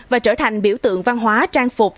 và trở thành biểu tượng văn hóa trang phục